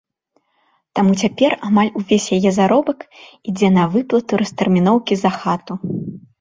Таму цяпер амаль увесь яе заробак ідзе на выплату растэрміноўкі за хату.